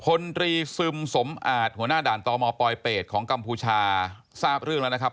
พลตรีซึมสมอาจหัวหน้าด่านตมปลอยเป็ดของกัมพูชาทราบเรื่องแล้วนะครับ